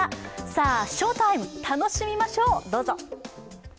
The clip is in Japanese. さあ、翔タイム、楽しみましょう。